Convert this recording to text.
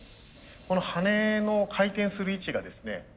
この羽根の回転する位置がですね